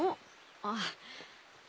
あっ。